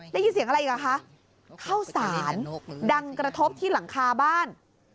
ได้ยินเสียงอะไรอีกอ่ะคะเข้าสารดังกระทบที่หลังคาบ้าน